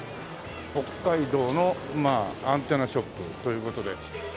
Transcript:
北海道のまあアンテナショップという事で。